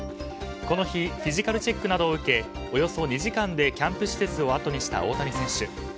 この日フィジカルチェックなどを受けおよそ２時間でキャンプ地をあとにした大谷選手。